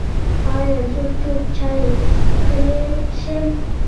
ایا زه تور چای څښلی شم؟